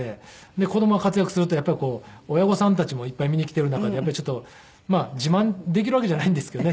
子供が活躍すると親御さんたちもいっぱい見に来ている中でまあ自慢できるわけじゃないんですけどね